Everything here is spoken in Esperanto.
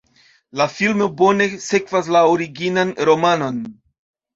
La filmo bone sekvas la originan romanon.